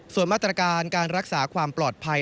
ส่วนมาตรการการรักษาความปลอดภัย